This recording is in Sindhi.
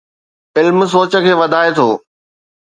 علم سوچ کي وڌائي ٿو